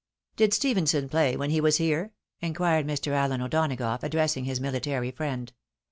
" Did Stephenson play when he was here ?" inquired Mr. Alien O'Donagough, addressing his military friend.